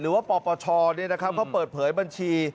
หรือว่าปปชเขาเปิดเผยบัญชี